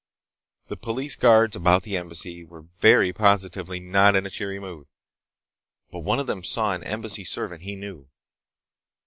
The police guards about the Embassy were very positively not in a cheery mood. But one of them saw an Embassy servant he knew.